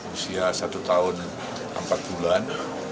usia satu tahun empat bulan